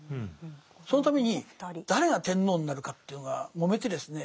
そのために誰が天皇になるかというのがもめてですね